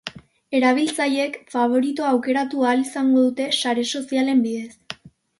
Erabiltzaileek faboritoa aukeratu ahal izango dute sare sozialen bidez.